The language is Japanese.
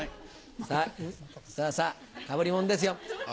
さぁさぁさぁかぶりものですよ。